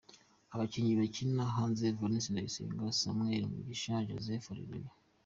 Abakinnyi bakina hanze; Valens Ndayisenga, Samwuel Mugisha, na Joseph Areruya.